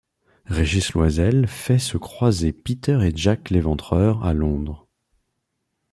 Régis Loisel fait se croiser Peter et Jack l'Éventreur à Londres.